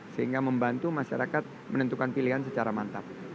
sehingga membantu masyarakat menentukan pilihan secara mantap